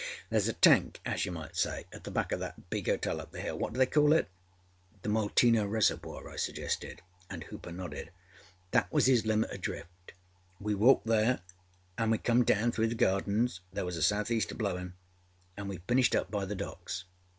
Thereâs a tank as you might say at the back oâ that big hotel up the hillâwhat do they call it?â âThe Molteno Reservoir,â I suggested, and Hooper nodded. âThat was his limit oâ drift. We walked there anâ we come down through the Gardensâthere was a South Easter blowinââanâ we finished up by the Docks.